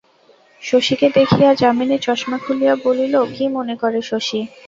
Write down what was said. শশীকে দেখিয়া যামিনী চশমা খুলিয়া বলিল, কী মনে করে শশী?